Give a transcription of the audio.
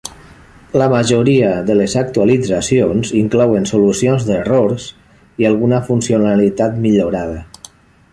La majoria de les actualitzacions inclouen solucions d'errors i alguna funcionalitat millorada.